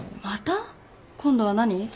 また？今度は何？